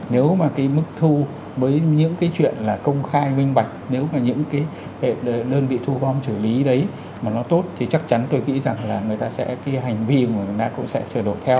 nếu mà cái mức thu với những cái chuyện là công khai minh bạch nếu mà những cái đơn vị thu gom xử lý đấy mà nó tốt thì chắc chắn tôi nghĩ rằng là người ta sẽ cái hành vi của người ta cũng sẽ sửa đổi theo